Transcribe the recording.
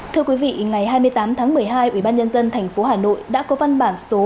thưa quý vị ngày hai mươi tám tháng một mươi hai ủy ban nhân dân tp hà nội đã có văn bản số